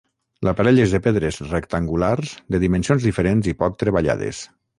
L'aparell és de pedres rectangulars de dimensions diferents i poc treballades.